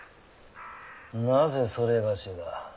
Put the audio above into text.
なぜ某が。